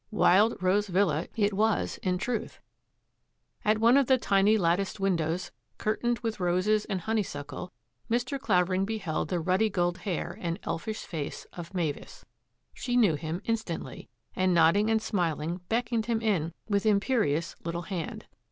Wild Rose Villa it was in truth. At one of the tiny, latticed windows, curtained with roses and honeysuckle, Mr. Clavering beheld the ruddy gold hair and elfish face of Mavis. She knew him instantly, and nodding and smil ing, beckoned him in with imperious little hand.